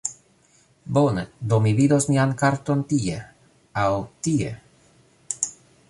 Bone, do mi vidos mian karton tie... aŭ tie?